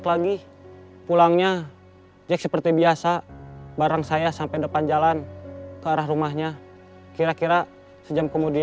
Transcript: apa yang terjadi